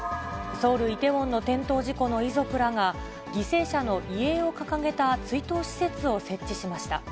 ソウル・イテウォンの転倒事故の遺族らが、犠牲者の遺影を掲げた追悼施設を設置しました。